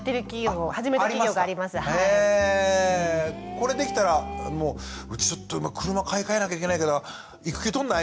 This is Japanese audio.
これできたら「うちちょっと今車買い替えなきゃいけないから育休取んない？」